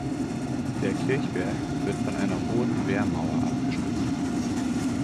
Der Kirchberg wird von einer hohen Wehrmauer abgestützt.